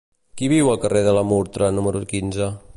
Qui viu al carrer de la Murtra número quinze?